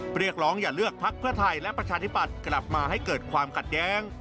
เรียกร้องอย่าเลือกพักเพื่อไทยและประชาธิปัตย์กลับมาให้เกิดความขัดแย้ง